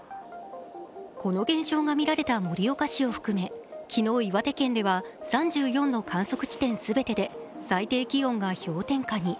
この現象が見られた盛岡市を含め昨日、岩手県では３４の観測地点全てで最低気温が氷点下に。